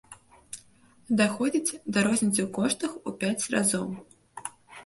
Даходзіць да розніцы ў коштах у пяць разоў.